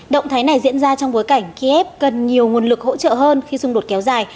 động thái này diễn ra trong bối cảnh kiev cần nhiều nguồn lực hỗ trợ hơn khi xung đột kéo dài